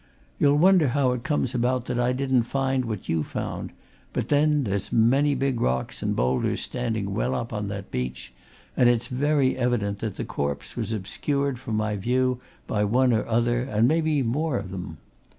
You'll wonder how it comes about that I didn't find what you found, but then, there's a many big rocks and boulders standing well up on that beach, and its very evident that the corpse was obscured from my view by one or other and maybe more of 'em.